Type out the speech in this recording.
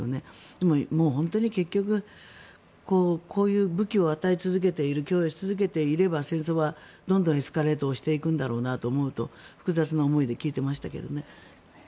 でも、もう本当に結局こういう武器を与え続けている供与し続けていれば、戦争はどんどんエスカレートしていくんだろうなと思うと複雑な思いで聞いてましたけどね。